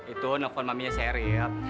itu nelfon maminya sherry